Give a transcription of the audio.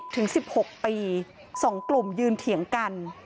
ถึง๑๖ปี๒กลุ่มยืนเถียงกัน